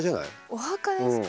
お墓ですか？